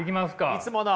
いつもの。